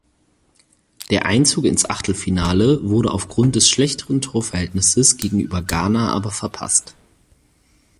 Der Einzug ins Achtelfinale wurde aufgrund des schlechteren Torverhältnisses gegenüber Ghana aber verpasst.